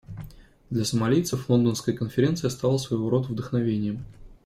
Для сомалийцев Лондонская конференция стала своего рода вдохновением.